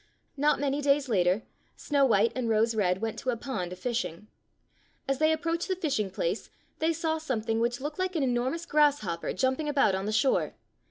Not many days later, Snow white and Rose red went to a pond a fishing. As they approached the fishing place they saw some thing which looked like an enormous grass hopper jumping about on the shore.